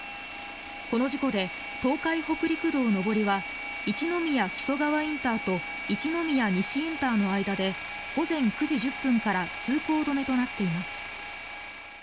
この事故で、東海北陸道上りは一宮木曽川ＩＣと一宮西ＩＣの間で午前９時１０分から通行止めとなっています。